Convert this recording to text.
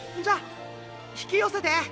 じゃあ引き寄せて！